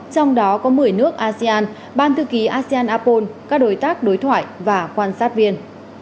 trong đó có một mươi nước asean ban thư ký asean apol các đối tác đối thoại và quan sát viên